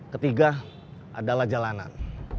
ketiga adalah jalanan